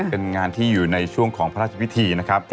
เป็นงานที่อยู่ในช่วงของพระราชพิธีนะครับ